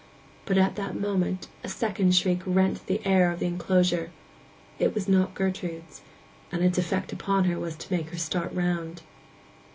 But at that moment a second shriek rent the air of the enclosure: it was not Gertrude's, and its effect upon her was to make her start round.